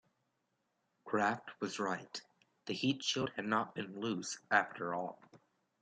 Kraft was right; the heat shield had not been loose after all.